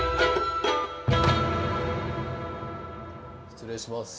失礼します。